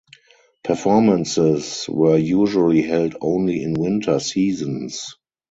Performances were usually held only in winter seasons.